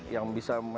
yang bisa membantu